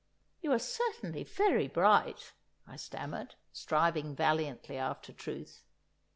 "You are certainly very bright," I stammered, striving valiantly after truth.